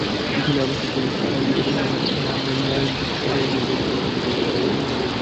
বিকেলে আবু সুফিয়ানের স্ত্রী সানজিদা রহমান নারায়ণগঞ্জ সদর মডেল থানায় অভিযোগ দায়ের করেন।